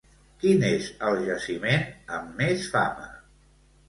Quin és el jaciment amb més fama?